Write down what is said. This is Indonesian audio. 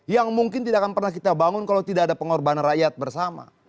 yang mungkin tidak akan pernah kita bangun kalau tidak ada pengorbanan rakyat bersama